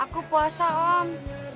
aku puasa om